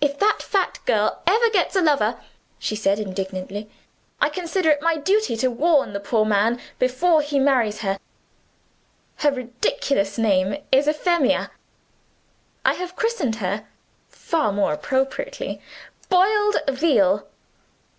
"If that fat girl ever gets a lover," she said indignantly, "I shall consider it my duty to warn the poor man before he marries her. Her ridiculous name is Euphemia. I have christened her (far more appropriately) Boiled Veal.